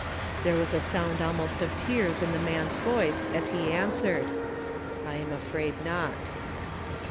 There was a sound almost of tears in the man's voice as he answered: " I am afraid not."